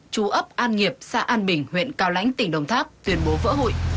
chú ấp an nghiệp xã an bình huyện cao lãnh tỉnh đồng tháp tuyên bố vỡ hụi